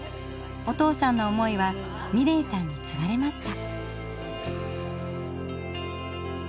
お父さんの思いは美礼さんにつがれました。